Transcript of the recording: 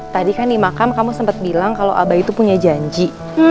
tadi kan di makam kamu sempat bilang kalau abah itu punya janji